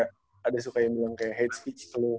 ada yang suka bilang kayak hate speech ke lu